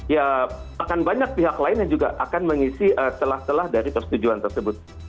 ya akan banyak pihak lain yang juga akan mengisi telah telah dari persetujuan tersebut